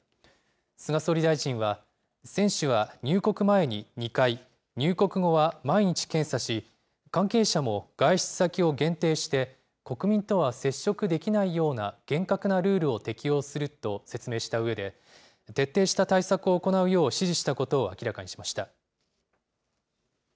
菅総理大臣は、選手は入国前に２回、入国後は毎日検査し、関係者も外出先を限定して、国民とは接触できないような厳格なルールを適用すると説明したうえで、徹底した対策を行うよう指示したことを明らかにしました。